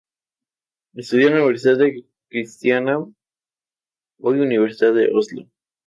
Estudió en la Universidad de Kristiania, hoy Universidad de Oslo.